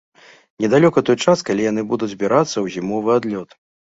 Недалёка той час, калі яны будуць збірацца ў зімовы адлёт.